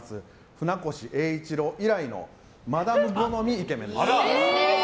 船越英一郎以来のマダム好みイケメンです。